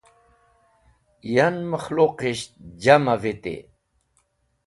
Yan, makhluqish jam’i viti.